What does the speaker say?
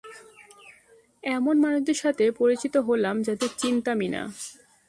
এমন মানুষদের সাথে পরিচিত হলাম যদের চিনতামই না।